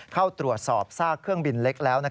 เข้าตรวจสอบซากเครื่องบินเล็กแล้ว